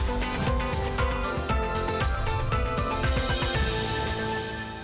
aku pratman saya pijelajah dan saya berdoa kepada anda